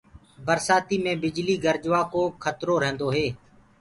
برسآتي مي بجلي گرجوآ ڪو کترو رهيندو هي۔